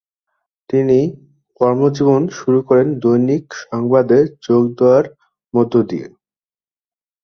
তিনি কর্ম জীবন শুরু করেন দৈনিক সংবাদে যোগ দেওয়ার মধ্য দিয়ে।